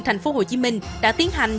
thành phố hồ chí minh đã tiến hành